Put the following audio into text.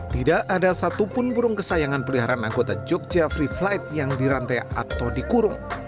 tidak ada satupun burung kesayangan peliharaan anggota jogja free flight yang dirantai atau dikurung